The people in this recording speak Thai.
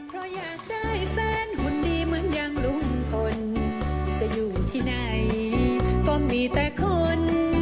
เพราะอยากได้แฟนหุ่นดีเหมือนอย่างลุงพลจะอยู่ที่ไหนก็มีแต่คน